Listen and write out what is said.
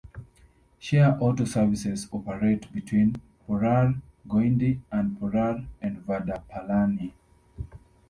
Share auto services operate between Porur and Guindy and Porur and Vadapalani.